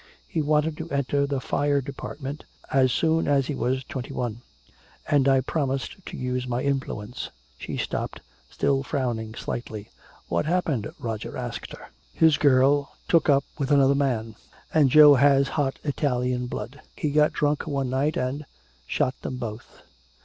He wanted to enter the Fire Department as soon as he was twenty one. And I promised to use my influence." She stopped, still frowning slightly. "What happened?" Roger asked her. "His girl took up with another man, and Joe has hot Italian blood. He got drunk one night and shot them both."